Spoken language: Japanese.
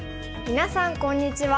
みなさんこんにちは。